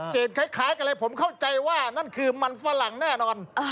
คล้ายกันเลยผมเข้าใจว่านั่นคือมันฝรั่งแน่นอน